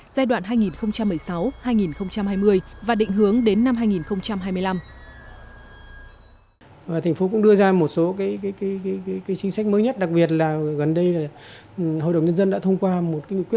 giai đoạn hai nghìn một mươi sáu hai nghìn hai mươi và định hướng đến năm hai nghìn hai mươi năm